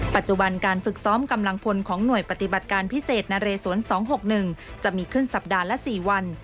ปัจจุบันการฝึกซ้อมกำลังพลของหน่วยปฏิบัติการพิเศษนเรสวน๒๖๑จะมีขึ้นสัปดาห์ละ๔วัน